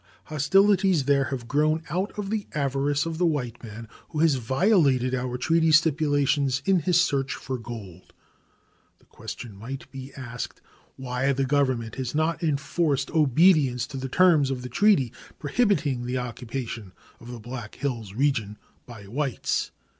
Hostilities there have grown out of the avarice of the white man, who has violated our treaty stipulations in his search for gold. The question might be asked why the Government has not enforced obedience to the terms of the treaty prohibiting the occupation of the Black Hills region by whites.